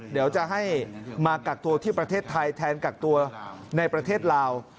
เดี๋ยวจะให้มากักตัวที่ประเทศไทยแทนกักตัวในประเทศลาว